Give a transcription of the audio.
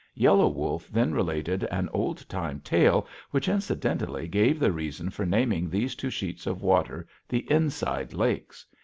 Yellow Wolf then related an old time tale, which incidentally gave the reason for naming these two sheets of water the Inside Lakes.